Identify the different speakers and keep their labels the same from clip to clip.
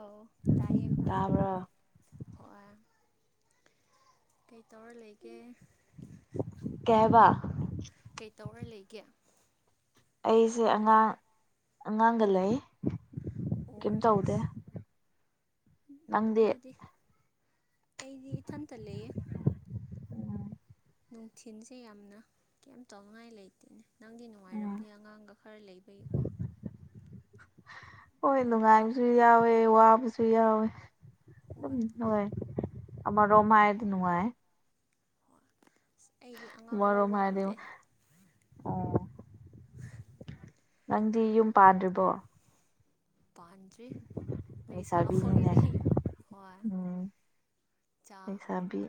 Speaker 1: ꯑꯧ ꯇꯥꯏ ꯍ
Speaker 2: ꯇꯥꯕ꯭ꯔꯣ
Speaker 1: ꯍꯣꯏ ꯀꯩ ꯇꯧꯔ ꯂꯩꯒꯦ
Speaker 2: ꯀꯋꯥ
Speaker 1: ꯀꯩ ꯇꯧꯔ ꯂꯩꯒꯦ
Speaker 2: ꯑꯩꯁꯦ ꯑꯉꯥꯡ ꯑꯉꯥꯡꯒ ꯂꯩ
Speaker 1: ꯎꯝ
Speaker 2: ꯅꯪꯗꯦ
Speaker 1: ꯑꯩꯗꯤ ꯏꯊꯟꯇ ꯂꯩꯌꯦ ꯅꯨꯡꯊꯤꯟꯁꯦ ꯌꯥꯝꯅ ꯀꯩꯝ ꯇꯧꯅꯤꯡꯉꯥꯏ ꯂꯩꯇꯦꯅꯦ ꯅꯪꯗꯤ
Speaker 2: ꯎꯝ
Speaker 1: ꯅꯨꯡꯉꯥꯏꯔꯝꯅꯤ ꯑꯉꯥꯡꯒ ꯈꯔ ꯂꯩꯕꯒꯤꯀꯣ
Speaker 2: ꯍꯣꯏ ꯅꯨꯡꯉꯥꯏꯕꯁꯨ ꯌꯥꯎꯋꯦ ꯋꯥꯕꯁꯨ ꯌꯥꯎꯋꯦ
Speaker 1: ꯍꯣꯏ
Speaker 2: ꯅꯅꯨꯡ ꯑꯃ ꯔꯃꯥꯏꯠ ꯅꯅꯨꯡꯉꯥꯏ
Speaker 1: ꯍ ꯑꯁ ꯑꯩꯗꯤ ꯑꯉꯥꯡ
Speaker 2: ꯑꯃꯔꯣꯝ
Speaker 1: ꯂꯧꯕ
Speaker 2: ꯍꯥꯏꯔꯗꯤ
Speaker 1: ꯉꯝꯗꯦ
Speaker 2: ꯑꯣ ꯅꯪꯗꯤ ꯌꯨꯝ ꯄꯥꯔ
Speaker 1: ꯄ ꯂꯩꯁꯥ
Speaker 2: ꯂꯩꯁꯥꯕꯤꯅꯤꯅꯦ
Speaker 1: ꯍꯣꯏꯔꯤ ꯍꯣꯏ ꯆꯥ
Speaker 2: ꯇꯕꯤ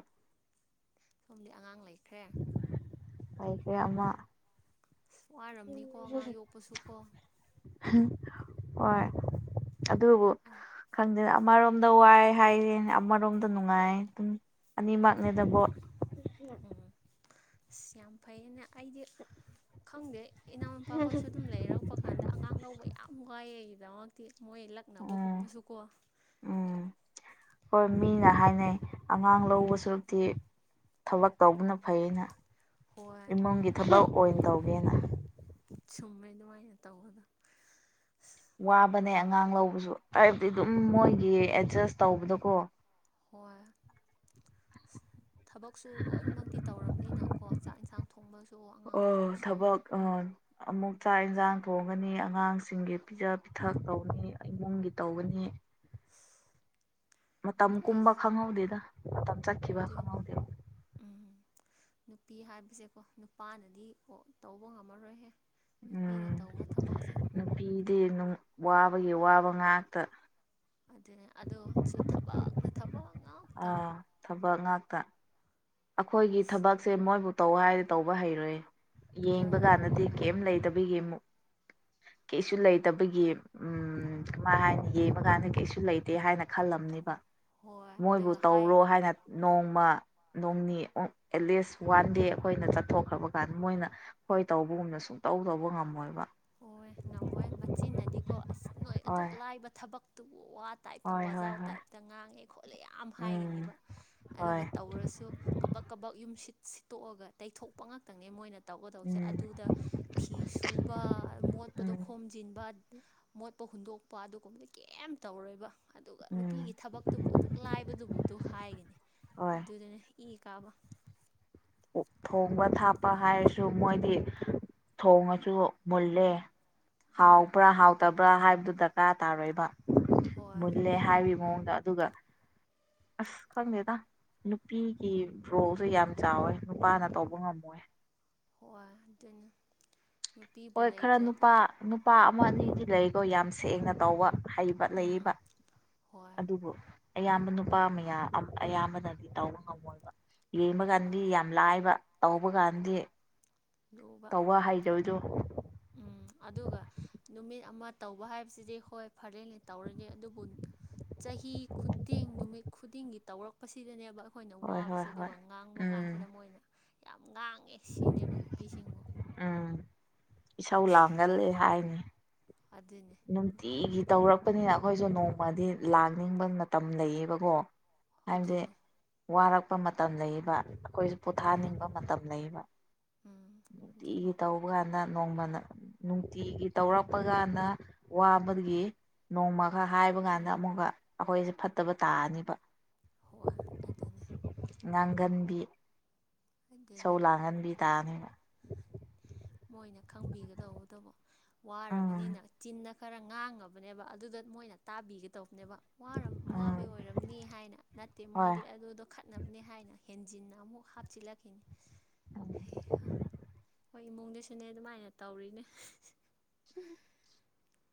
Speaker 1: ꯁꯣꯝꯗꯤ ꯑꯉꯥꯡ ꯂꯩꯈ꯭ꯔꯦ
Speaker 2: ꯉꯥꯏꯈ ꯑꯃ
Speaker 1: ꯋꯥꯔꯝꯅꯤꯀꯣ ꯑꯉꯥꯡ ꯌꯣꯛꯄꯁꯨ ꯀꯣ
Speaker 2: ꯑꯣꯏ ꯑꯗꯨꯕꯨ ꯈꯪꯗꯦꯅ ꯑꯃꯔꯣꯝꯗ ꯋꯥꯏ ꯍꯥꯏꯔꯤ ꯑꯃꯔꯣꯝꯗ ꯅꯨꯡꯉꯥꯏ ꯑꯗꯨꯝ ꯑꯅꯤꯃꯛꯅꯦꯗꯕꯣꯠ
Speaker 1: ꯎꯝ ꯑꯁ ꯌꯥꯝ ꯐꯩꯅꯦ ꯑꯩꯗꯤ ꯈꯪꯗꯦ ꯏꯅꯥꯎꯅꯨꯄꯥꯈꯣꯏꯁꯨ ꯑꯗꯨꯝ ꯂꯩꯔꯛꯄ ꯀꯥꯟꯗ ꯑꯉꯥꯡ ꯂꯧꯕ ꯌꯥꯝ ꯋꯥꯏꯑꯒꯤꯗꯃꯛꯇꯤ ꯃꯣꯏ ꯂꯛ ꯅꯅꯕ
Speaker 2: ꯎꯝ
Speaker 1: ꯀꯨꯝꯕꯁꯨꯀꯣ
Speaker 2: ꯎꯝ ꯍꯣꯏ ꯃꯤꯅ ꯍꯥꯏꯅꯩ ꯑꯉꯥꯡ ꯂꯧꯕ ꯁꯛꯇꯤ ꯊꯕꯛ ꯇꯧꯕꯅ ꯐꯩꯩꯅ
Speaker 1: ꯍꯣꯏ
Speaker 2: ꯏꯃꯨꯡꯒꯤ ꯊꯕꯛ ꯑꯣꯏꯅ ꯇꯧꯒꯦꯅ
Speaker 1: ꯁꯨꯝꯃꯦꯩ ꯑꯗꯨꯃꯥꯏꯅ ꯇꯧꯕꯗꯣ
Speaker 2: ꯋꯥꯕꯅꯦ ꯑꯉꯥꯡ ꯂꯧꯕꯁꯨ ꯍꯥꯏꯕꯗꯤ ꯑꯗꯨꯝ ꯃꯣꯏꯒꯤ ꯑꯦꯠꯖꯁ ꯇꯧꯕꯗꯀꯣ
Speaker 1: ꯍꯣꯏ ꯑ ꯊꯕꯛꯁꯨ ꯂꯣꯏꯅꯃꯛꯇꯤ ꯇꯧꯔꯕꯝꯅꯤꯅꯀꯣ ꯆꯥꯛ ꯏꯟꯁꯥꯡ ꯊꯣꯡꯕꯁꯨ ꯑꯉꯥꯡ
Speaker 2: ꯑꯣ
Speaker 1: ꯂꯧꯕꯁꯨ
Speaker 2: ꯊꯕꯛ ꯑ ꯑꯃꯨꯛ ꯆꯥꯛ ꯌꯦꯟꯁꯥꯡ ꯊꯣꯡꯒꯅꯤ ꯑꯉꯥꯡꯁꯤꯡꯒꯤ ꯄꯤꯖ ꯄꯤꯊꯛ ꯇꯧꯅꯤ ꯏꯃꯨꯡꯒꯤ ꯇꯧꯒꯅꯤ
Speaker 1: [inaudible]
Speaker 2: ꯃꯇꯝ
Speaker 1: ꯅꯨꯄꯤ
Speaker 2: ꯀꯨꯝꯕ ꯈꯪꯍꯧꯗꯦꯗ ꯃꯇꯝ ꯆꯠꯈꯤꯕ
Speaker 1: ꯑꯗꯨꯅꯤ
Speaker 2: ꯈꯪꯍꯧꯗꯦꯗ
Speaker 1: ꯎꯝ ꯅꯨꯄꯤ ꯍꯥꯏꯕꯁꯦꯀꯣ ꯅꯨꯄꯥꯅꯗꯤ ꯇꯧꯕ ꯉꯝꯃꯔꯣꯏꯍꯦ ꯅꯨꯄꯤꯅ
Speaker 2: ꯎꯝ
Speaker 1: ꯇꯧꯕ ꯊꯕꯛꯁꯦ
Speaker 2: ꯅꯨꯄꯤꯗꯤ ꯋꯥꯕꯒꯤ ꯋꯥꯕ ꯉꯥꯛꯇ
Speaker 1: ꯑꯗꯨꯅꯦ ꯑꯗꯨꯁꯨ ꯊꯕꯛꯅ ꯊꯕꯛ ꯉ
Speaker 2: ꯑꯥ ꯊꯕꯛ ꯉꯥꯛꯇ ꯑꯩꯈꯣꯏꯒꯤ ꯊꯕꯛꯁꯦ ꯃꯣꯏꯕꯨ ꯇꯧ ꯍꯥꯏꯔꯗꯤ ꯇꯧꯕ ꯍꯩꯔꯣꯏ ꯌꯦꯡꯕ
Speaker 1: ꯑꯣ
Speaker 2: ꯀꯥꯟꯗꯗꯤ ꯀꯩꯝ ꯂꯩꯇꯕꯒꯤꯛ ꯀꯩꯁꯨ ꯂꯩꯇꯕꯒꯤ ꯎꯝ ꯀꯃꯥꯏ ꯍꯥꯏꯅ ꯌꯦꯡꯕ ꯀꯥꯟꯗ ꯀꯩꯁꯨ ꯂꯩꯇꯦ ꯍꯥꯏꯅ ꯈꯜꯂꯝꯅꯦꯕ
Speaker 1: ꯍꯣꯏ
Speaker 2: ꯃꯣꯏꯕꯨ
Speaker 1: ꯑꯗꯨꯒ ꯍꯥꯏ
Speaker 2: ꯇꯧꯔꯣ ꯍꯥꯏꯅ ꯅꯣꯡꯃ ꯅꯣꯡꯅꯤ ꯑꯦꯠꯂꯤꯁ ꯋꯥꯟ ꯗꯦ ꯑꯩꯈꯣꯏꯅ ꯆꯠꯊꯣꯛꯈ꯭ꯔꯕ ꯀꯥꯟꯗ ꯃꯣꯏꯅ ꯍꯣꯏ ꯇꯧꯕꯒꯨꯝꯅ ꯁꯨꯡꯇꯧ ꯇꯧꯕ ꯉꯝꯃꯣꯏꯕ
Speaker 1: ꯍꯣꯏ ꯉꯝꯃꯣꯏ ꯃꯆꯤꯟꯅꯗꯤꯀꯣ ꯑꯁ ꯅꯣꯏ ꯑꯗꯨꯛ
Speaker 2: ꯍꯣꯏ
Speaker 1: ꯂꯥꯏꯕ ꯊꯕꯛꯇꯨꯕꯨ ꯋꯥꯠ ꯇꯥꯏꯞꯇ
Speaker 2: ꯍꯣꯏ ꯍꯣꯏ
Speaker 1: ꯋꯥꯖꯥꯎ
Speaker 2: ꯍꯣꯏ
Speaker 1: ꯇꯥꯏꯞꯇ ꯉꯥꯡꯉꯦ ꯈꯣꯠꯂꯦ ꯌꯥꯝ ꯍꯥꯏꯒꯅꯦꯕ ꯑꯗꯨꯒ
Speaker 2: ꯍꯣꯏ
Speaker 1: ꯇꯧꯔꯁꯨ ꯀꯕꯛ ꯀꯕꯛ ꯌꯨꯝ ꯁꯤꯠ ꯁꯤꯠꯇꯣꯛꯑꯒ ꯇꯩꯊꯣꯛꯄ ꯉꯥꯛꯇꯅꯦ ꯃꯣꯏꯅ ꯇꯧꯒꯗꯧꯕꯁꯦ
Speaker 2: ꯎꯝ
Speaker 1: ꯑꯗꯨꯗ ꯐꯤꯁꯨ ꯃꯣꯠꯄꯗꯣ
Speaker 2: ꯎꯝ
Speaker 1: ꯈꯣꯝꯖꯤꯟꯕ ꯃꯣꯠꯄ ꯍꯨꯟꯗꯣꯛꯄ ꯑꯗꯨꯒꯨꯝꯕꯗ ꯀꯩꯝ ꯇꯧꯔꯣꯏꯕ ꯑꯗꯨꯒ ꯅꯨꯄꯤꯒꯤ
Speaker 2: ꯎꯝ
Speaker 1: ꯊꯕꯛꯇꯨꯕꯨ ꯑꯗꯨꯛ ꯂꯥꯏꯕꯗꯨꯕꯨ ꯑꯗꯨ ꯍꯥꯏꯒꯅꯤ
Speaker 2: ꯍꯣꯏ
Speaker 1: ꯑꯗꯨꯗꯨꯅ ꯏ ꯀꯥꯕ
Speaker 2: ꯊꯣꯡꯕ ꯊꯥꯛꯞꯄ ꯍꯥꯏꯔꯁꯨ ꯃꯣꯏꯗꯤ ꯊꯣꯡꯉꯁꯨ ꯃꯜꯂꯦ
Speaker 1: ꯎꯝ
Speaker 2: ꯍꯥꯎꯕ꯭ꯔꯥ ꯍꯥꯎꯇꯕ꯭ꯔꯥ ꯍꯥꯏꯕꯗꯨ ꯗꯔꯀꯥꯔ ꯇꯥꯔꯣꯏꯕ
Speaker 1: ꯍꯣꯏ
Speaker 2: ꯃꯨꯜꯂꯦ ꯍꯥꯏꯋ ꯃꯑꯣꯡꯗ ꯑꯗꯨꯒ ꯑꯁ ꯈꯪꯗꯦꯗ ꯅꯨꯄꯤꯒꯤ ꯔꯣꯜꯁꯨ ꯌꯥꯝ ꯆꯥꯎꯋꯦ ꯅꯨꯄꯥꯅ ꯇꯧꯕ ꯉꯝꯃꯣꯏ
Speaker 1: ꯍꯣꯏꯣꯏ ꯑꯗꯨꯅ ꯅꯨꯄꯤꯕꯨ
Speaker 2: ꯍꯣꯏ ꯈꯔ
Speaker 1: ꯂꯩꯇ꯭ꯔꯗꯤ
Speaker 2: ꯅꯨꯄꯥ ꯅꯨꯨꯄꯥ ꯑꯃ ꯑꯅꯤꯗꯤ ꯂꯩꯀꯣ ꯌꯥꯝ ꯁꯦꯡꯅ ꯇꯧꯕ ꯍꯩꯕ
Speaker 1: ꯎꯝ
Speaker 2: ꯂꯩꯕ
Speaker 1: ꯍꯣꯏ
Speaker 2: ꯑꯗꯨꯕꯨ ꯑꯌꯥꯝꯕ ꯅꯨꯄꯥ ꯃꯌꯥꯝ ꯑꯌꯥꯝꯕꯅꯗꯤ ꯇꯧꯕ ꯉꯝꯃꯣꯏꯕ ꯌꯦꯡꯕ
Speaker 1: ꯍꯣꯏ
Speaker 2: ꯀꯥꯟꯗꯤ ꯌꯥꯝ ꯌꯥꯝ ꯂꯥꯏꯕ ꯇꯧꯕ ꯀꯥꯟꯗꯤ
Speaker 1: ꯌꯣꯕ
Speaker 2: ꯇꯧꯕ ꯍꯩꯖꯕꯗꯣ
Speaker 1: ꯎꯝ ꯑꯗꯨꯒ ꯅꯨꯃꯤꯠ ꯑꯃ ꯇꯧꯕ ꯍꯥꯏꯕꯁꯤꯗꯤ ꯍꯣꯏ ꯐꯔꯦꯅꯦ ꯇꯧꯔꯒꯦ ꯑꯗꯨꯕꯨ ꯆꯍꯤ ꯈꯨꯗꯤꯡ ꯅꯨꯃꯤꯠ ꯈꯨꯗꯤꯡꯒꯤ ꯇꯧꯔꯛꯄꯁꯤꯗꯅꯦꯕ ꯑꯩꯈꯣꯏꯅ
Speaker 2: ꯍꯣꯏ
Speaker 1: ꯋꯥꯕꯁꯦ
Speaker 2: ꯍꯣꯏ ꯍꯣꯏ
Speaker 1: ꯑꯗꯨꯒ ꯉꯥꯡꯕ
Speaker 2: ꯎꯝ
Speaker 1: ꯀꯥꯟꯁꯤꯗ ꯃꯣꯏꯅ ꯌꯥꯝ ꯉꯥꯡꯉꯦ ꯁꯤꯅꯦꯕ ꯅꯨꯄꯤꯁꯤꯡꯕꯨ
Speaker 2: ꯎꯝ ꯏꯁꯧ ꯂꯥꯡꯒꯂ ꯍꯥꯏꯅꯤ
Speaker 1: ꯑꯗꯨꯅꯦ
Speaker 2: ꯅꯨꯡꯇꯤꯒꯤ ꯇꯧꯔꯛꯄꯅꯤꯅ ꯑꯩꯈꯣꯏꯁꯨ ꯅꯣꯡꯃꯗꯤ ꯂꯥꯡꯅꯤꯡꯕ ꯃꯇꯝ ꯂꯩꯌꯦꯕꯀꯣ ꯍꯥꯏꯕꯗꯤ
Speaker 1: ꯑꯗꯨꯅꯦ
Speaker 2: ꯋꯥꯔꯛꯄ ꯃꯇꯝ ꯂꯩꯕ ꯑꯩꯈꯣꯏ
Speaker 1: ꯍꯣꯏ
Speaker 2: ꯄꯣꯊꯥꯅꯤꯡꯕ ꯃꯇꯝ ꯂꯩꯕ
Speaker 1: ꯎꯝ ꯑꯗꯨꯅꯤ
Speaker 2: ꯅꯨꯡꯇꯤꯒꯤ ꯇꯧ ꯇ ꯀꯥꯟꯗ ꯅꯣꯡꯃ ꯅꯨꯡꯇꯤꯒꯤ ꯇꯧꯔꯛꯄ ꯀꯥꯟꯗ ꯋꯥꯕꯒꯤ ꯅꯣꯡꯃ ꯈꯔ ꯍꯥꯏꯕ ꯀꯥꯟꯗ
Speaker 1: ꯎꯝ
Speaker 2: ꯑꯃꯨꯛꯀ ꯑꯩꯈꯣꯏꯁꯦ ꯐꯠꯇꯕ ꯇꯥꯔꯅꯤꯕ
Speaker 1: ꯍꯣꯏ ꯑꯗꯨꯅꯤ
Speaker 2: ꯉꯥꯡꯒꯟꯕꯤ
Speaker 1: ꯑꯗꯨꯅꯤ
Speaker 2: ꯄꯧ ꯂꯒꯅꯕꯤ ꯇꯅ
Speaker 1: ꯃꯣꯏꯅ ꯈꯪꯕꯤꯒꯗꯧꯕꯇꯕꯣ
Speaker 2: ꯎꯝ
Speaker 1: ꯋꯥꯔꯕꯅꯤꯅ ꯆꯤꯟꯅ ꯈꯔ ꯉꯥꯡꯉꯕꯅꯦꯕ ꯑꯗꯨꯗ ꯃꯣꯏꯅ ꯇꯥꯕꯤꯒꯗꯧꯕꯅꯦꯕ
Speaker 2: ꯎꯝ
Speaker 1: ꯋꯥꯕ ꯑꯣꯏꯔꯝꯅꯤ ꯍꯥꯏꯅ ꯅꯠꯇꯦ
Speaker 2: ꯍꯣꯏ
Speaker 1: ꯃꯣꯏꯗꯤ ꯑꯗꯨꯗꯣ ꯆꯠꯅꯕꯅꯦ ꯍꯥꯏꯅ ꯍꯦꯟꯖꯤꯟꯅ ꯑꯃꯨꯛ ꯍꯥꯞꯆꯤꯜꯂꯛꯈꯤꯅꯤ ꯍꯣꯏ ꯏꯃꯨꯡꯗ ꯁꯤꯅꯦ ꯑꯗꯨꯃꯥꯏꯅ ꯇꯧꯔꯤꯅꯦ
Speaker 2: ꯎꯝ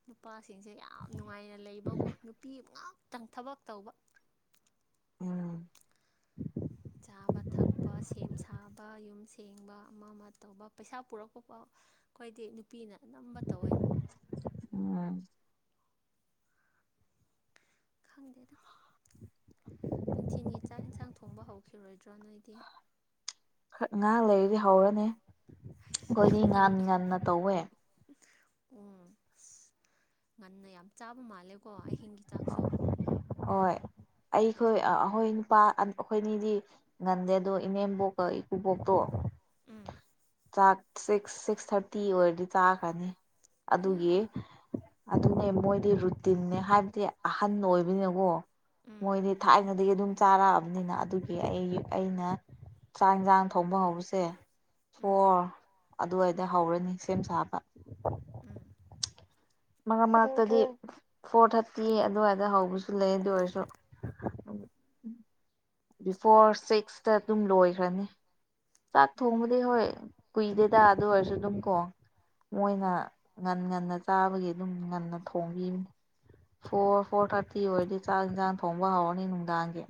Speaker 1: ꯅꯨꯄꯥꯁꯤꯡꯁꯦ ꯌꯥꯝ ꯅꯨꯡꯉꯥꯏꯅ ꯂꯩꯕꯀꯣ ꯅꯨꯄꯤ ꯉꯥꯛꯇꯪ ꯊꯕꯛ ꯇꯧꯕ
Speaker 2: ꯎꯝ
Speaker 1: ꯆꯥꯕ ꯊꯛꯄ ꯁꯦꯝ ꯁꯥꯕ ꯌꯨꯝ ꯁꯦꯡꯕ ꯑꯃ ꯑꯃ ꯇꯧꯕ ꯄꯩꯁꯥ ꯄꯨꯔꯛꯄꯥꯎ ꯑꯩꯈꯣꯏꯗꯤ ꯅꯨꯄꯤꯅ ꯑꯅꯝꯕ ꯇꯧꯋꯦ
Speaker 2: ꯎꯝ
Speaker 1: ꯈꯪꯗꯦꯅ ꯅꯨꯡꯊꯤꯤꯟꯒꯤ ꯆꯥꯛ ꯏꯟꯁꯥꯡ ꯊꯣꯡꯕ ꯍꯧꯈꯤꯔꯣꯏꯗ꯭ꯔꯣ ꯅꯣꯏꯗꯤ
Speaker 2: ꯈꯔ ꯉꯍ ꯂꯩꯔꯗꯤ ꯍꯧꯔꯅꯤ ꯑꯩꯈꯣꯏꯗꯤ
Speaker 1: ꯌꯥꯝ
Speaker 2: ꯉꯥꯟ
Speaker 1: ꯉꯜꯂꯦ
Speaker 2: ꯉꯟꯅ ꯇꯧꯋꯦ
Speaker 1: ꯎꯝ ꯑꯁ ꯉꯟꯅ ꯌꯥꯝ ꯆꯥꯕ ꯃꯥꯜꯂꯦꯀꯣ ꯑꯍꯤꯡꯒꯤ ꯆꯥꯛꯁꯨ
Speaker 2: ꯍꯣꯏ ꯑꯩꯈꯣꯏ ꯑꯩꯈꯣꯏ ꯅꯨꯄꯥ ꯑꯩꯈꯣꯏ ꯑꯅꯤꯗꯤ ꯉꯟꯗꯦꯗꯣ ꯏꯅꯦꯝꯕꯣꯛꯀ ꯏꯀꯨꯕꯣꯛꯇꯣ
Speaker 1: ꯎꯝ
Speaker 2: ꯆꯥꯛ ꯁꯤꯛꯁ ꯁꯤꯛꯁ ꯊꯥꯔꯇꯤ ꯑꯣꯏꯔꯗꯤ ꯆꯥꯈ꯭ꯔꯅꯤ
Speaker 1: ꯑꯌꯥ
Speaker 2: ꯑꯗꯨꯒꯤ ꯑꯗꯨꯅꯦ ꯃꯣꯏꯗꯤ ꯔꯨꯇꯤꯟꯅꯦ ꯍꯥꯏꯕꯗꯤ ꯑꯍꯟ ꯑꯣꯏꯕꯅꯀꯣ ꯃꯣꯏꯗꯤ ꯊꯥꯏꯅꯗꯒꯤ ꯑꯗꯨꯝ ꯆꯥꯔꯛꯑꯕꯅꯤꯅ ꯑꯗꯨꯒꯤ ꯑꯩ ꯑꯩꯅ ꯆꯥꯛ ꯌꯦꯟꯁꯥꯡ ꯊꯣꯡꯕ ꯍꯧꯕꯁꯦ ꯐꯣꯔ ꯑꯗꯨꯋꯥꯏꯗ ꯍꯧꯔꯅꯤ ꯁꯦꯝ ꯁꯥꯕ
Speaker 1: ꯎꯝ
Speaker 2: ꯃꯔꯉꯛ ꯃꯔꯛꯇꯗꯤ ꯐꯣꯔ ꯊꯥꯔꯇꯤ ꯑꯗꯨꯋꯥꯏꯗ ꯍꯧꯕꯁꯨ ꯂꯩ ꯑꯗꯨ ꯑꯣꯏꯔꯁꯨ ꯕꯤꯐꯣꯔ ꯁꯤꯛꯁꯇ ꯑꯗꯨꯝ ꯂꯣꯏꯈ꯭ꯔꯅꯤ ꯆꯥꯛ ꯊꯣꯡꯕꯗꯤ ꯍꯣꯏ ꯀꯨꯏꯗꯦꯗ ꯑꯗꯨ ꯑꯣꯏꯔꯁꯨ ꯑꯗꯨꯝ ꯀꯣ ꯃꯣꯏꯅ
Speaker 1: ꯍꯣꯏ
Speaker 2: ꯉꯟ ꯉꯟꯅ ꯆꯥꯕꯒꯤ ꯑꯗꯨꯝ ꯉꯟꯅ ꯊꯣꯡꯕꯤꯕꯅꯤ ꯐꯣꯔ
Speaker 1: ꯍꯣꯏ
Speaker 2: ꯐꯣꯔ ꯊꯥꯔꯇꯤ ꯁꯤꯤ ꯑꯣꯏꯔꯗꯤ ꯆꯥꯛ ꯏꯟꯁꯥꯡ ꯊꯣꯡꯕ ꯍꯧꯔꯅꯤ ꯅꯨꯡꯗꯥꯡꯒꯤ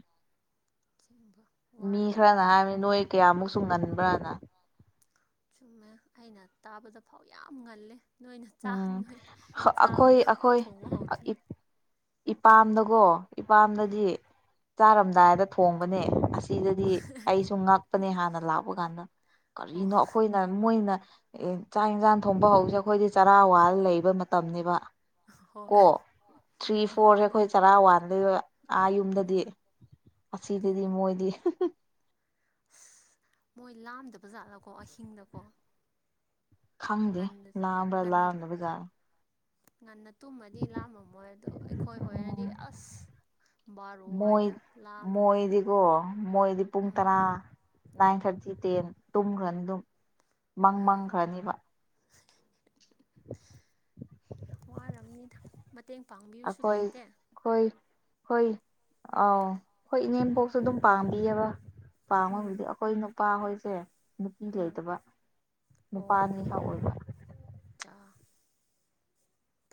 Speaker 1: ꯁꯤꯤꯡꯕ
Speaker 2: ꯃꯤ ꯈꯔꯅ ꯍꯥꯏꯕꯅꯤ ꯅꯣꯏ ꯀꯌꯥꯃꯨꯛꯁꯨ ꯉꯟꯕ꯭ꯔꯥꯅ
Speaker 1: ꯆꯨꯝꯃꯦ ꯑꯩꯅ ꯇꯥꯕꯗ ꯐꯥꯎ ꯌꯥꯝ ꯉꯜꯂꯦ ꯅꯣꯏꯅ
Speaker 2: ꯎꯝ
Speaker 1: ꯅꯣꯏ ꯆꯥꯕꯗ ꯑꯩꯈꯣꯏ ꯊꯣꯡꯕ ꯍꯧꯗꯣꯏ
Speaker 2: ꯏꯄꯥꯝꯗꯀꯣ
Speaker 1: ꯎꯝ
Speaker 2: ꯏꯄꯥꯝꯗꯗꯤ ꯆꯥꯔꯝꯗꯥꯏꯗ ꯊꯣꯡꯕꯅꯦ ꯑꯁꯤꯗꯗꯤ ꯑꯩꯁꯨ ꯉꯛꯄꯅꯦ ꯍꯥꯟꯅ ꯂꯥꯛꯄ ꯀꯥꯟꯗ
Speaker 1: ꯑꯣ
Speaker 2: ꯀꯔꯤꯅꯣ ꯑꯩꯈꯣꯏꯅ ꯃꯣꯏꯅ ꯆꯥꯛ ꯌꯦꯟꯁꯥꯡ ꯊꯣꯡꯕ ꯍꯧꯁꯦ ꯑꯩꯈꯣꯏꯗꯤ ꯆꯔꯥ ꯋꯥꯔ ꯂꯩꯕ ꯃꯇꯝꯅꯤꯕ
Speaker 1: ꯍꯣꯏ
Speaker 2: ꯀꯣ ꯊ꯭ꯔꯤ
Speaker 1: ꯍꯣꯏ
Speaker 2: ꯐꯣꯔꯁꯦ
Speaker 1: ꯃꯥꯅꯦ
Speaker 2: ꯑꯩꯈꯣꯏ ꯆꯔꯥ ꯋꯥꯟꯗꯩ ꯑꯥ ꯌꯨꯝꯗꯗꯤ
Speaker 1: ꯎꯝ
Speaker 2: ꯑꯁꯤꯗꯗꯤ ꯃꯣꯏꯗꯤ
Speaker 1: ꯑꯁ ꯃꯣꯏ ꯂꯥꯝꯗꯕꯖꯥꯠꯂꯀꯣ ꯑꯍꯤꯡꯗꯀꯣ
Speaker 2: ꯈꯪꯗꯦ
Speaker 1: ꯉꯟꯅ
Speaker 2: ꯂꯥꯛꯑꯝꯕ꯭ꯔꯥ
Speaker 1: ꯉꯟꯅ
Speaker 2: ꯂꯥꯑꯝꯗ ꯕꯖꯥꯔꯗ
Speaker 1: ꯉꯟꯅ ꯇꯨꯝꯃꯗꯤ ꯂꯥꯝꯃꯝꯃꯣꯏ ꯑꯗ ꯑꯩꯈꯣꯏ ꯑꯣꯏꯔꯗꯤ ꯑꯁ ꯕꯥꯔꯣ ꯍꯥꯏꯗ ꯂꯥꯛꯑꯃꯅꯤ
Speaker 2: ꯑꯣ ꯃꯣꯏꯗꯤ ꯄꯨꯡ ꯇꯔꯥ ꯅꯥꯏꯟ ꯊꯥꯔꯇꯤ ꯇꯦꯟ ꯇꯨꯝꯈ꯭ꯔꯅꯤ ꯑꯗꯨꯝ ꯃꯪ ꯃꯪꯈ꯭ꯔꯅꯤꯕ
Speaker 1: ꯋꯥꯔꯝꯅꯤꯗ ꯃꯇꯦꯡ ꯄꯥꯡꯕꯤꯁꯨ ꯂꯩꯇꯦ
Speaker 2: ꯍꯣꯏ ꯍꯣꯏ ꯑꯥꯎ ꯍꯣꯏ ꯏꯅꯦꯝꯄꯣꯛꯁꯨ ꯑꯗꯨꯝ ꯄꯥꯝꯕꯤꯑꯕ
Speaker 1: ꯎꯝ
Speaker 2: ꯄꯥꯝꯉꯕꯗꯤ ꯑꯩꯈꯣꯏ ꯅꯨꯄꯥꯍꯣꯏꯁꯦ ꯅꯨꯄꯤ
Speaker 1: ꯎꯝ
Speaker 2: ꯂꯩꯇꯕ ꯅꯨꯄꯥꯅꯤ
Speaker 1: ꯑꯣ
Speaker 2: ꯃ ꯑꯣꯏꯕ
Speaker 1: ꯆꯥ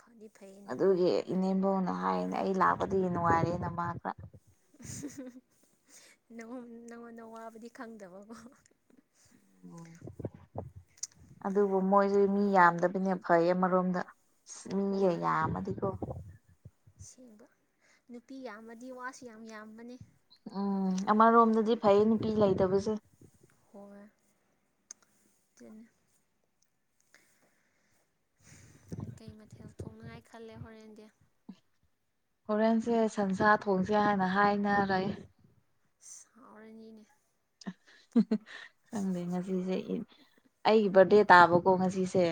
Speaker 1: ꯐꯗꯤ ꯐꯩ
Speaker 2: ꯑꯗꯨꯒꯤ ꯏꯅꯦꯝꯕꯣꯅ ꯍꯥꯏꯅꯦ ꯑꯩ ꯂꯥꯛꯄꯗꯤ ꯅꯨꯡꯉꯥꯏꯔꯦ ꯅ ꯃꯥ ꯈ
Speaker 1: ꯅꯪꯉꯣꯟꯗ ꯋꯥꯕꯗꯤ ꯈꯪꯗꯕꯀꯣ
Speaker 2: ꯎꯝ ꯑꯗꯨꯕꯨ ꯃꯣꯏꯁꯦ ꯃꯤ ꯌꯥꯝꯗꯕꯅꯦ ꯐꯩꯌꯦ ꯑꯃꯔꯣꯝꯗ ꯃꯤꯒ
Speaker 1: ꯍꯣꯏ
Speaker 2: ꯌꯥꯝꯃꯗꯤꯀꯣ
Speaker 1: ꯁꯦꯡꯕ ꯅꯨꯄꯤ ꯌꯥꯝꯃꯗꯤ ꯋꯥꯁꯨ ꯌꯥꯝ ꯌꯥꯝꯕꯅꯤ
Speaker 2: ꯎꯝ ꯑꯃꯔꯣꯝꯗꯗꯤ ꯐꯩ ꯅꯨꯄꯤ ꯂꯩꯇꯕꯁꯦ
Speaker 1: ꯍꯣꯢ ꯑꯗꯨꯅꯦ ꯀꯩ ꯃꯊꯦꯜ ꯊꯣꯡꯅꯉꯥꯏ ꯈꯜꯂꯦ ꯍꯣꯔꯦꯟꯗꯤ
Speaker 2: ꯍꯣꯔꯦꯟꯁꯦ ꯁꯟꯁꯥ ꯊꯣꯡꯁꯦ ꯍꯥꯏꯅ ꯍꯥꯏꯅꯔꯦ
Speaker 1: ꯍꯥꯎꯔꯅꯤꯅꯦ
Speaker 2: ꯈꯪꯗꯦ ꯉꯁꯤꯁꯦ ꯑꯩꯒꯤ ꯕꯥꯔꯗꯦ ꯇꯥꯕꯀꯣ ꯉꯁꯤꯁꯦ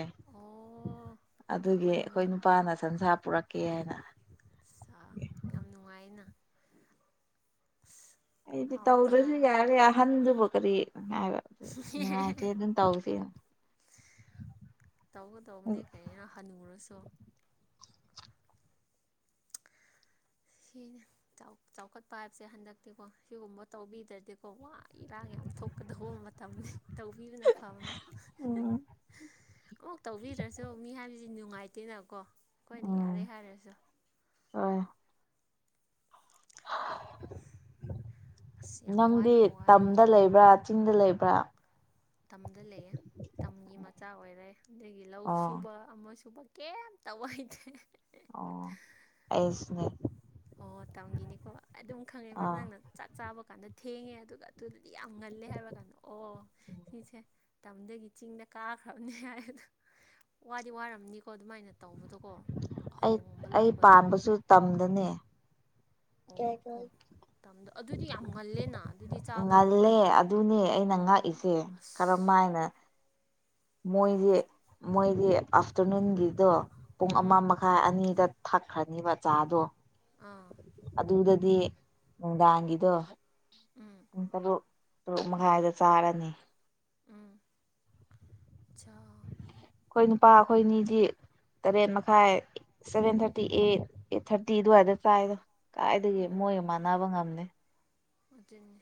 Speaker 1: ꯑꯣ
Speaker 2: ꯑꯗꯨꯒꯤ
Speaker 1: ꯄꯣꯛꯄ
Speaker 2: ꯑꯩꯈꯣꯏ
Speaker 1: ꯅꯨꯃꯤꯠ
Speaker 2: ꯅꯨꯄꯥꯅ ꯁꯟꯁꯥ ꯄꯨꯔꯛꯀꯦ ꯍꯥꯏꯅ
Speaker 1: ꯑ ꯌꯥꯝ ꯅꯨꯡꯉꯥꯏꯅ ꯑꯁ
Speaker 2: ꯑꯩꯗꯤ ꯇꯧꯗꯔꯁꯨ ꯌꯥꯔꯦ ꯑꯍꯟꯗꯨꯕꯨ ꯀꯔꯤ ꯍꯥꯏꯕ ꯅꯨꯡꯉꯥꯏꯇꯦ ꯑꯗꯨꯝ ꯇꯧꯁꯦ
Speaker 1: ꯇꯧꯒꯗꯧꯕꯅꯦ ꯀꯩꯅꯣ ꯍꯟꯅꯨꯔꯁꯨ ꯁꯤꯅꯦ ꯆꯥꯎ ꯆꯥꯎꯈꯠꯄ ꯍꯥꯏꯕꯁꯦ ꯍꯟꯗꯛꯇꯤꯀꯣ ꯁꯤꯒꯨꯝꯕ ꯇꯧꯕꯤꯗ꯭ꯔꯗꯤꯀꯣ ꯋꯥ ꯏꯔꯥꯡ ꯌꯥꯝ ꯊꯣꯛꯀꯗꯧꯕ ꯃ ꯇꯧꯕꯤꯕꯅꯐꯕꯅ
Speaker 2: ꯎꯝ
Speaker 1: ꯑꯣ ꯇꯧꯕꯤꯗ꯭ꯔꯁꯨ ꯃꯤ ꯍꯥꯏꯗꯤ ꯅꯨꯡꯉꯥꯏꯇꯦꯅꯀꯣ ꯑꯩꯈꯣꯏꯅ ꯌꯥꯔꯦ ꯍꯥꯏꯔꯁꯨ
Speaker 2: ꯍꯣꯏ
Speaker 1: ꯑꯁ ꯌꯥꯝ
Speaker 2: ꯅꯪꯗꯤ
Speaker 1: ꯋꯥꯗꯤ ꯋꯥꯏ
Speaker 2: ꯇꯝꯗ ꯂꯩꯕ꯭ꯔꯥ ꯆꯤꯡꯗ ꯂꯩꯕ꯭ꯔꯥ
Speaker 1: ꯇꯝꯗ ꯂꯩꯌꯦ ꯇꯝꯒꯤ ꯃꯆꯥ ꯑꯣꯏꯔꯦ ꯑꯗꯒꯤ ꯂꯧ
Speaker 2: ꯑꯣ
Speaker 1: ꯁꯨꯕ ꯑꯃ ꯁꯨꯕ ꯀꯩꯝ ꯇꯧꯕ ꯍꯩꯇꯦ
Speaker 2: ꯑꯣ ꯑꯩꯁꯨꯅꯦ
Speaker 1: ꯍꯣꯏ ꯍꯣꯏ ꯇꯝꯒꯤꯅꯤꯀꯣ ꯑꯗꯨꯝ ꯈꯪꯉꯦꯕ
Speaker 2: ꯑꯥ
Speaker 1: ꯅꯪ ꯅ ꯆꯥꯛ ꯆꯥꯕ ꯀꯥꯟꯗ ꯊꯦꯡꯉꯦ ꯑꯗꯨꯒ ꯑꯗꯨꯗꯗꯤ ꯌꯥꯝ ꯉꯜꯂꯦ ꯍꯥꯏꯕ ꯀꯥꯟꯗ ꯑꯣ ꯁꯤꯁꯦ ꯇꯝꯗꯒꯤ ꯆꯤꯡꯗ ꯀꯥꯈ꯭ꯔꯕꯅꯤ ꯍꯥꯏꯑꯗꯣ ꯋꯥꯗꯤ ꯋꯥꯔꯝꯅꯤꯀꯣ ꯑꯗꯨꯃꯥꯏꯅ ꯇꯧꯕꯗꯣꯀꯣ
Speaker 2: ꯑꯩ
Speaker 1: ꯑꯍꯣꯡꯕ
Speaker 2: ꯑꯩ
Speaker 1: ꯂꯥꯛꯄꯗꯣ
Speaker 2: ꯄꯥꯟꯕꯁꯨ ꯇꯝꯗꯅꯦ
Speaker 1: ꯑꯣ ꯑꯣ ꯇꯝꯗꯣ ꯑꯗꯨꯗꯤ ꯌꯥꯝ ꯉꯜꯂꯦꯅ ꯑꯗꯨꯗꯤ ꯆꯥꯕ ꯅꯣꯏ
Speaker 2: ꯉꯜꯂꯦ ꯑꯗꯨꯅꯦ ꯑꯩꯅ ꯉꯥꯛꯏꯁꯦ ꯀꯔꯝ ꯍꯥꯏꯅ
Speaker 1: ꯑꯗꯨꯅꯦ
Speaker 2: ꯃꯣꯏꯗꯤ ꯃꯣꯏꯗꯤ ꯑꯥꯐꯇꯔꯅꯨꯟꯒꯤꯗꯣ ꯄꯨꯡ ꯑꯃ
Speaker 1: ꯎꯝ
Speaker 2: ꯃꯈꯥꯏ ꯑꯅꯤꯗ ꯊꯛꯈ꯭ꯔꯅꯤꯕ ꯆꯥꯗꯣ
Speaker 1: ꯑꯥ
Speaker 2: ꯑꯗꯨꯗꯗꯤ ꯅꯨꯡꯗꯥꯡꯒꯤꯗꯣ
Speaker 1: ꯎꯝ
Speaker 2: ꯄꯨꯡ ꯇꯔꯨꯛ ꯇꯔꯨꯛ ꯃꯈꯥꯏꯗ ꯆꯥꯔꯅꯤ
Speaker 1: ꯎꯝ ꯑꯆꯥꯎ
Speaker 2: ꯑꯩꯈꯣꯏ ꯅꯨꯄꯥ ꯑꯩꯈꯣꯏꯅꯤꯗꯤ ꯇꯔꯦꯠ ꯃꯈꯥꯏ ꯁꯚꯦꯟ ꯊꯥꯔꯇꯤ ꯑꯦ ꯑꯩꯠ ꯊꯥꯔꯇꯤ ꯑꯗꯨꯋꯥꯏꯗ ꯆꯥꯏꯗꯣ ꯀꯥꯏꯗꯒꯤ
Speaker 1: ꯑꯣ
Speaker 2: ꯃꯣꯏꯒ ꯃꯥꯟꯅꯕ ꯉꯝꯅꯤ
Speaker 1: ꯑꯗꯨꯅꯦ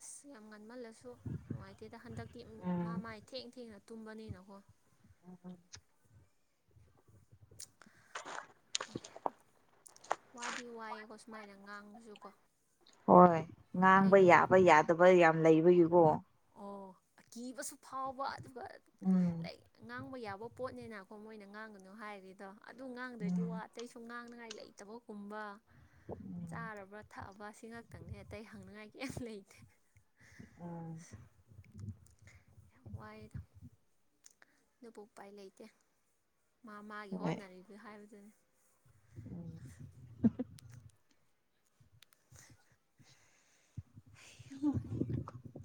Speaker 1: ꯑꯁ ꯌꯥꯝ ꯉꯟꯃꯜꯂꯁ ꯑꯁꯨ ꯅꯨꯡꯉꯥꯏꯇꯦꯗ ꯍꯟꯗꯛꯇꯤ ꯃꯥ
Speaker 2: ꯎꯝ
Speaker 1: ꯃꯥꯥꯏ ꯊꯦꯡ ꯊꯦꯡꯅ ꯇꯨꯝꯕꯅꯤꯅꯀꯣ
Speaker 2: ꯎ
Speaker 1: ꯋꯥꯗꯤ ꯋꯥꯏꯑꯦꯀꯣ ꯁꯨꯃꯥꯏꯅ ꯉꯥꯛꯁꯨꯀꯣ
Speaker 2: ꯍꯣꯏ ꯉꯥꯡꯕ ꯌꯥꯕ ꯌꯥꯗꯕ ꯌꯥꯝ ꯂꯩꯕꯒꯤꯀꯣ
Speaker 1: ꯑꯣ ꯑꯀꯤꯕꯁꯨ ꯐꯥꯎꯕ ꯑꯗꯨꯒ
Speaker 2: ꯎꯝ
Speaker 1: ꯉꯥꯡꯕ ꯌꯥꯕ ꯄꯣꯠꯅꯦꯅ ꯑꯩꯈꯣ ꯃꯣꯏꯅ ꯉꯥꯡꯒꯅꯨ ꯍꯥꯏꯔꯦꯗꯣ ꯑꯗꯨ ꯉꯥꯡꯗ꯭ꯔꯗꯤ ꯋꯥ
Speaker 2: ꯎꯝ
Speaker 1: ꯑꯇꯩꯁꯨ ꯉꯥꯡꯅꯉꯥꯏ ꯂꯩꯇꯕ ꯀꯨꯝꯕ ꯆꯥꯔꯕ꯭ꯔꯥ ꯊꯛꯑꯕ ꯁꯤꯈꯥꯛꯛꯇꯪꯅꯦ ꯑꯇꯩ ꯍꯪꯅꯤꯡꯉꯥꯏ ꯀꯩꯝ ꯂꯩꯇꯦ
Speaker 2: ꯎꯝ
Speaker 1: ꯌꯥꯝ ꯋꯥꯏꯑꯦꯗ ꯑꯗꯨꯕꯨ ꯎꯄꯥꯏ ꯂꯩꯇꯦ ꯃꯥ ꯃꯥꯒꯤ ꯍꯣꯠꯅꯔꯤ ꯑꯗꯨ ꯍꯥꯏꯕꯗꯨꯅꯤ
Speaker 2: ꯎꯝ ꯍꯝ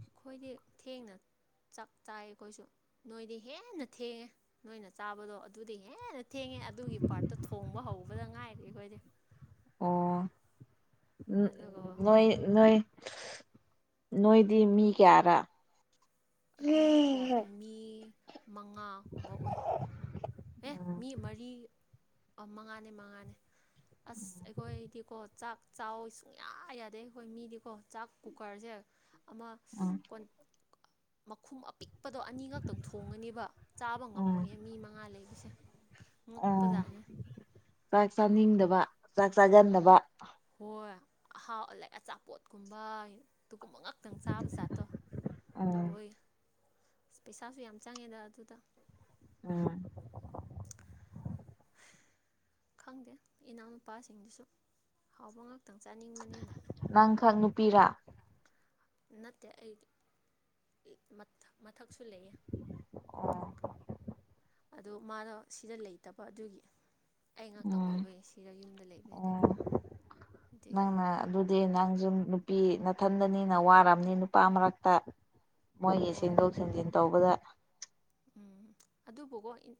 Speaker 1: ꯑꯩꯈꯣꯏꯗꯤ ꯊꯦꯡꯅ ꯆꯥꯛ ꯆꯥꯏ ꯑꯩꯈꯣꯏꯁꯨ ꯅꯣꯏꯗꯤ ꯍꯦꯟꯅ ꯊꯦꯡꯉꯦ ꯅꯣꯏꯅ ꯆꯥꯕꯗꯣ ꯑꯗꯨꯗꯤ ꯍꯦꯟꯅ ꯊꯦꯡꯉꯦ ꯑꯗꯨꯒꯤ ꯄꯥꯔꯠꯇꯣ ꯊꯣꯡꯕ ꯍꯧꯕꯗ ꯉꯥꯏꯔꯦ ꯑꯩꯈꯣꯏꯗꯤ
Speaker 2: ꯎꯝ
Speaker 1: ꯑꯗꯨꯒ
Speaker 2: ꯅꯣꯏ ꯅꯣꯏ ꯅꯣꯏꯗꯤ ꯃꯤ ꯀꯌꯥꯔꯥ
Speaker 1: ꯑꯩꯈꯣꯏꯁꯦꯀꯣ ꯃꯤ ꯃꯉꯥꯒꯨꯝꯕ ꯎ ꯑꯦ
Speaker 2: ꯎꯝ
Speaker 1: ꯃꯤ ꯃꯔꯤ ꯃꯉꯥꯅꯦ ꯃꯉꯥꯅꯦ ꯑꯁ ꯑꯩꯈꯣꯏꯗꯤꯀꯣ ꯆꯥꯛ ꯆ ꯁꯨꯡꯌꯥ ꯌꯥꯗꯦ ꯑꯩꯈꯣꯏ ꯃꯤꯗꯤꯀꯣ ꯆꯥꯛ ꯀꯨꯀꯔꯁꯦ ꯑꯃ
Speaker 2: ꯎꯝ
Speaker 1: ꯀꯣꯟ ꯃꯈꯨꯝ ꯑꯄꯤꯛꯄꯗꯣ ꯑꯅꯤꯈꯛꯇꯪ ꯊꯣꯡꯉꯅꯦꯕ ꯆꯥꯕ
Speaker 2: ꯎꯝ
Speaker 1: ꯉꯝꯃꯣꯏꯌꯦ ꯃꯤ ꯃꯉꯥ ꯂꯩꯕꯁꯦ
Speaker 2: ꯎꯝ
Speaker 1: ꯉꯛꯄꯖꯥꯠꯅꯦ
Speaker 2: ꯆꯥꯛ ꯆꯥꯅꯤꯡꯗꯕ ꯆꯥꯛ ꯆꯥꯒꯟꯗꯕ
Speaker 1: ꯍꯣꯏ ꯑꯍꯥꯎ ꯑ ꯂꯥꯏꯛ ꯑꯆꯥꯄꯣꯠꯀꯨꯝꯕꯩ ꯑꯗꯨꯒꯨꯝꯕ ꯉꯛ ꯈꯤꯇꯪ ꯆꯥꯕ ꯖꯥꯠꯇꯣ
Speaker 2: ꯎꯝ
Speaker 1: ꯇꯧꯋꯤ ꯑ ꯄꯩꯁꯥꯁꯨ ꯌꯥꯝ ꯆꯪꯉꯦꯗ ꯑꯗꯨꯗ
Speaker 2: ꯎꯝ
Speaker 1: ꯈꯪꯗꯦ ꯏꯅꯥꯎꯅꯨꯄꯥꯁꯤꯡꯗꯨꯁꯨ ꯍꯥꯎꯕ ꯈꯤꯇꯪ ꯆꯥꯅꯤꯡꯕꯅꯤꯅ
Speaker 2: ꯅꯪꯈꯛ ꯅꯨꯄꯤꯔꯥ
Speaker 1: ꯅꯠꯇꯦ ꯑꯩꯗꯤ ꯃꯊ ꯃꯊꯛꯁꯨ ꯂꯩꯌꯦ
Speaker 2: ꯑꯣ
Speaker 1: ꯑꯗꯨ ꯃꯥꯗꯣ ꯁꯤꯗ ꯂꯩꯇꯕ ꯑꯗꯨꯒꯤ ꯑꯩ ꯉꯥꯛꯇꯪ
Speaker 2: ꯎꯝ
Speaker 1: ꯑꯣꯏꯕꯒꯤ ꯁꯤꯗ ꯌꯨꯝꯗ ꯂꯩꯕꯗꯤ
Speaker 2: ꯑꯣ
Speaker 1: ꯑꯗꯒꯤ
Speaker 2: ꯅꯪꯅ ꯑꯗꯨꯗꯤ ꯅꯪꯁꯨ ꯅꯨꯄꯤ ꯅꯥꯊꯟꯗꯅꯤꯅ ꯋꯥꯔꯝꯅꯤ ꯅꯨꯄꯥ ꯃꯔꯛꯇ ꯃꯣꯏꯒꯤ
Speaker 1: ꯍꯣꯏ
Speaker 2: ꯁꯦꯡꯗꯣꯛ ꯁꯦꯡꯖꯤꯟ ꯇꯧꯕꯗ
Speaker 1: ꯎꯝ ꯑꯗꯨꯕꯨꯀꯣ ꯏꯃꯥꯟ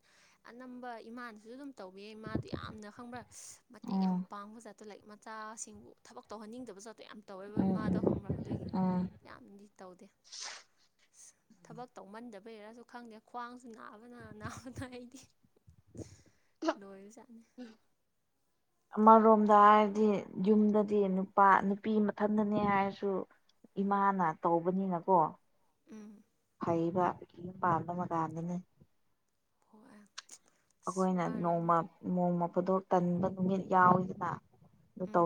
Speaker 1: ꯑꯅꯝꯕ ꯏꯃꯥꯟꯁꯨ ꯑꯗꯨꯝ ꯇꯧꯕꯤ ꯃꯥꯗꯨ ꯌꯥꯝꯅ ꯈꯪꯕ꯭ꯔꯥ ꯃꯇꯦꯡ
Speaker 2: ꯎꯝ
Speaker 1: ꯌꯥꯝ ꯄꯥꯡꯕ ꯖꯥꯠ ꯑꯣ ꯂꯥꯏꯛ ꯃꯆꯥꯁꯤꯡꯕꯨ ꯊꯕꯛ ꯇꯧꯍꯟꯅꯤꯡꯗꯕ ꯖꯥꯠꯇꯣ ꯌꯥꯝ ꯇꯧꯋꯦꯕ
Speaker 2: ꯎꯝ
Speaker 1: ꯏꯃꯥꯗꯣ
Speaker 2: ꯎꯝ
Speaker 1: ꯈꯪꯕ꯭ꯔꯥ ꯑꯗꯨꯒꯤ
Speaker 2: ꯎꯝ
Speaker 1: ꯌꯥꯝꯗꯤ ꯇꯧꯗꯦ ꯑꯁ ꯊꯕꯛ ꯇꯧꯃꯟꯗꯕꯩꯔꯁꯨ ꯈꯪꯗꯦ ꯈ꯭ꯋꯥꯡꯁꯨ ꯅꯥꯕꯅ ꯅꯥꯕꯗ ꯑꯩꯗꯤ ꯂꯣꯏꯕꯖꯥꯠꯅꯤ
Speaker 2: ꯑꯃꯔꯣꯝꯗ ꯍꯥꯏꯔꯗꯤ ꯌꯨꯝꯗꯗꯤ ꯅꯨꯄꯥ ꯅꯨꯄꯤ ꯃꯊꯟꯇꯅꯦ ꯍꯥꯏꯔꯁꯨ ꯏꯃꯥꯅ ꯇꯧꯕꯅꯤꯅꯀꯣ
Speaker 1: ꯎꯝ
Speaker 2: ꯂꯩꯕ ꯌꯨꯝ ꯄꯥꯟꯕ ꯀꯥꯟꯗꯅꯤ
Speaker 1: ꯍꯣꯏ ꯑꯁ
Speaker 2: ꯑꯩꯈꯣꯏꯅ
Speaker 1: ꯋꯥꯔꯕꯅꯤ
Speaker 2: ꯅꯣꯡꯃ ꯅꯣꯡꯃ ꯐꯥꯗꯣꯛ ꯇꯟꯕ ꯅꯨꯃꯤꯠ ꯌꯥꯎꯋꯗꯅ ꯑꯗꯨ ꯇꯧꯅꯤ
Speaker 1: ꯎꯝ